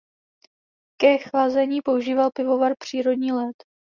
Ke chlazení používal pivovar přírodní led.